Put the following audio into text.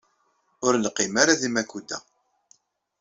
Ur neqqim ara di Makuda.